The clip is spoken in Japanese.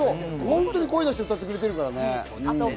声出して歌ってくれてるからね。